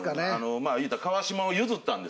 いうたら「川島」を譲ったんですよ。